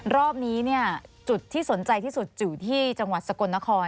รอบนี้จุดที่สนใจที่สุดอยู่ที่จังหวัดสกลนคร